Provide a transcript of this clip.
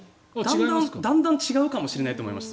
だんだん、そこは違うかもしれないと思います。